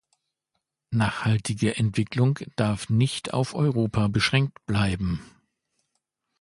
Nachhaltige Entwicklung darf nicht auf Europa beschränkt bleiben.